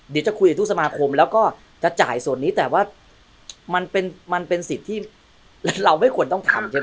เดี๋ยวจะคุยกับทุกสมาคมแล้วก็จะจ่ายส่วนนี้แต่ว่ามันเป็นสิทธิ์ที่เราไม่ควรต้องทำใช่ไหม